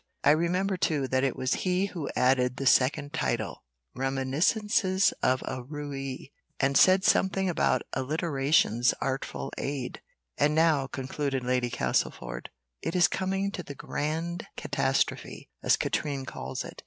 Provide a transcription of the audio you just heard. I remember, too, that it was he who added the second title, 'Reminiscences of a Rouè,' and said something about alliteration's artful aid. And now," concluded Lady Castlefort, "it is coming to the grand catastrophe, as Katrine calls it.